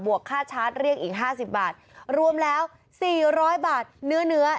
บวกค่าชาร์จเรียกอีกห้าสิบบาทรวมแล้วสี่ร้อยบาทเนื้อเนื้อ